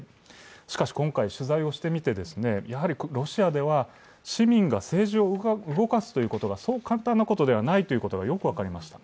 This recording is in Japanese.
しかし今回、取材をしてみて、やはりロシアでは、市民が政治を動かすということがそう簡単なことではないということがよく分かりました。